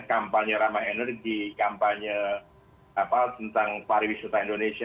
kampanye ramah energi kampanye tentang pariwisata indonesia